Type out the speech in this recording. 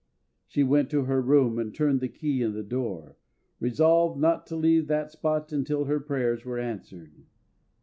She went to her room and turned the key in the door, resolved not to leave that spot until her prayers were answered.